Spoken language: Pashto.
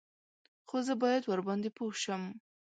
_خو زه بايد ورباندې پوه شم.